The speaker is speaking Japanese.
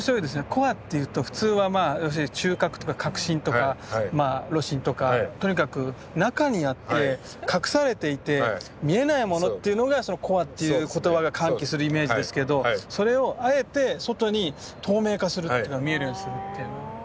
コアっていうと普通は中核とか核心とか炉心とかとにかく中にあって隠されていて見えないものっていうのがコアっていう言葉が喚起するイメージですけどそれをあえて外に透明化する見えるようにするっていうのは。